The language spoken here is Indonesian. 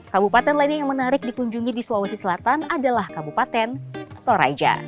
kabupaten lainnya yang menarik dikunjungi di sulawesi selatan adalah kabupaten toraja